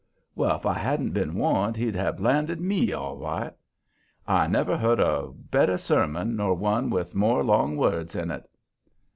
Well, if I hadn't been warned he'd have landed ME, all right. I never heard a better sermon nor one with more long words in it.